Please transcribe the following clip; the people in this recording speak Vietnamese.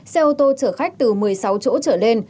xe ô tô chở khách từ một mươi sáu chỗ trở lên